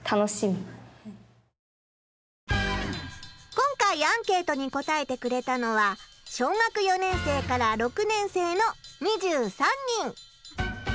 今回アンケートに答えてくれたのは小学４年生から６年生の２３人。